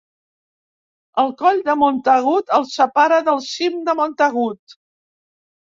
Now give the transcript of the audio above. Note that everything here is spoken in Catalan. El coll de Montagut el separa del cim de Montagut.